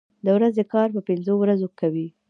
د ورځې کار په پنځو ورځو کوي.